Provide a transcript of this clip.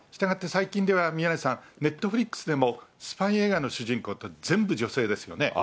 したがって最近では宮根さん、ネットフリックスでも、スパイ映画の主人公って全部女性ですよね。